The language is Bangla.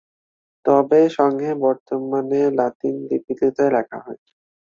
তবে সংহে বর্তমানে লাতিন লিপিতে লেখা হয়।